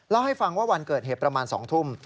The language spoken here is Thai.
เล่าให้ฟังว่าวันเกิดเหตุประมาณ๒ทุ่ม